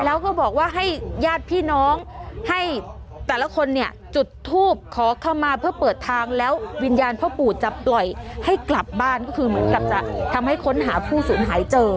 แล้วก็บอกว่าให้ญาติพี่น้องให้แต่ละคนเนี่ยจุดทูบขอเข้ามาเพื่อเปิดทางแล้ววิญญาณพ่อปู่จะปล่อยให้กลับบ้านก็คือเหมือนกับจะทำให้ค้นหาผู้สูญหายเจอ